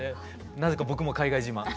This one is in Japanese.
なぜか僕も海外自慢。